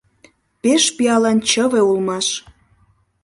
Пеш пиалан чыве улмаш.